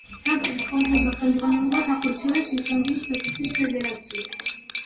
ნაკრების კონტროლს და ხელმძღვანელობას ახორციელებს ისლანდიის ფეხბურთის ფედერაცია.